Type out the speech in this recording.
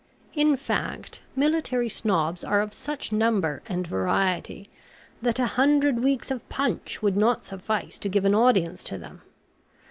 In fact, Military Snobs are of such number and variety, that a hundred weeks of PUNCH would not suffice to give an audience to them.